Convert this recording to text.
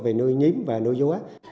về nuôi nhím và nuôi rúi